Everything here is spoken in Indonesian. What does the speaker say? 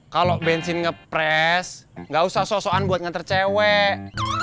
kalo bensin ngepres gak usah sosokan buat nganter cewek